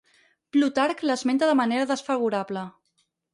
Plutarc l'esmenta de manera desfavorable.